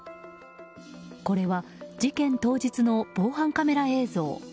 これは事件当日の防犯カメラ映像。